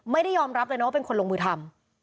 ไม่ได้ยอมรับเลยนะว่าเป็นคนลงมือทำ